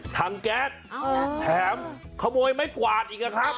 ถังแก๊สแถมขโมยไม้กวาดอีกนะครับ